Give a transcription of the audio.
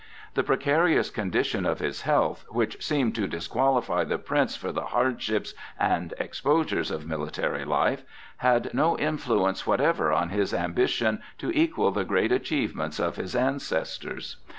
The precarious condition of his health, which seemed to disqualify the Prince for the hardships and exposures of military life, had no influence whatever on his ambition to equal the great achievements of his ancestors.